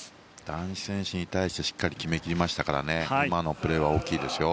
男子選手に対してしっかり決めきりましたので今のプレーは大きいですよ